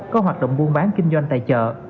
có hoạt động buôn bán kinh doanh tài trợ